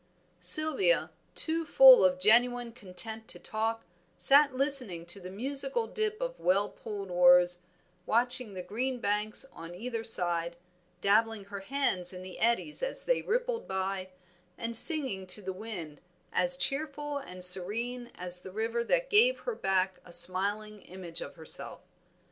Sylvia, too full of genuine content to talk, sat listening to the musical dip of well pulled oars, watching the green banks on either side, dabbling her hands in the eddies as they rippled by, and singing to the wind, as cheerful and serene as the river that gave her back a smiling image of herself.